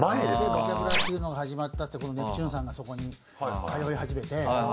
「ボキャブラ」っていうのが始まってネプチューンさんがそこに通い始めて。